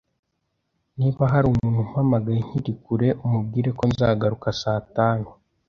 Niba hari umuntu umpamagaye nkiri kure, umubwire ko nzagaruka saa tanu